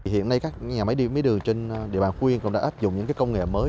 hiện nay các nhà máy điện mía đường trên địa bàn quyên cũng đã áp dụng những công nghệ mới